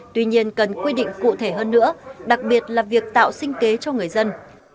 tuy nhiên cần quy định cụ thể hơn nữa đặc biệt là việc tạo sinh kế cho người dân